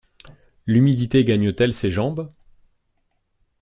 L'humidité gagne-t-elle ses jambes?